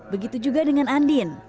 begitu juga dengan andin